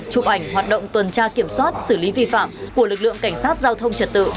chụp ảnh hoạt động tuần tra kiểm soát xử lý vi phạm của lực lượng cảnh sát giao thông trật tự